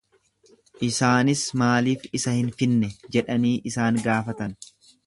Isaanis, Maaliif isa hin finne jedhanii isaan gaafatan.